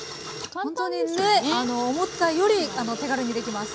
ほんとにね思ったより手軽にできます。